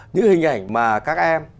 những hình ảnh mà các em